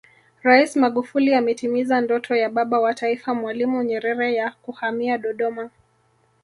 Rais Magufuli ametimiza ndoto ya Baba wa Taifa Mwalimu Nyerere ya kuhamia Dodoma